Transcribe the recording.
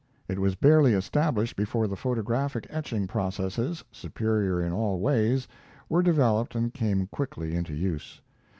It was barely established before the photographic etching processes, superior in all ways, were developed and came quickly into use.